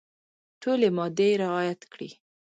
ټولي مادې رعیات کړي.